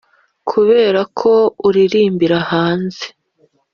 kuberako uririmbira hanze.